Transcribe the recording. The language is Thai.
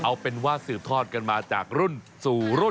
เอาเป็นว่าสืบทอดกันมาจากรุ่นสู่รุ่น